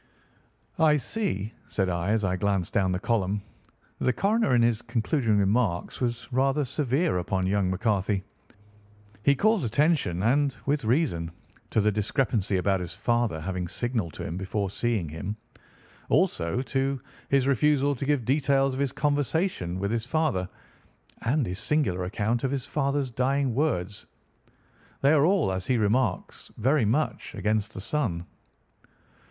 "I see," said I as I glanced down the column, "that the coroner in his concluding remarks was rather severe upon young McCarthy. He calls attention, and with reason, to the discrepancy about his father having signalled to him before seeing him, also to his refusal to give details of his conversation with his father, and his singular account of his father's dying words. They are all, as he remarks, very much against the son."